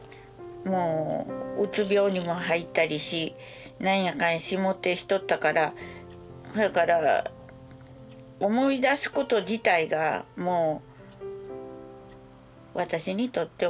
うつ病にも入ったりし何やかんや仕事しとったからそやから思い出すこと自体がもう私にとっては苦だったから。